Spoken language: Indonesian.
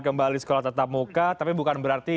kembali sekolah tetap muka tapi bukan berarti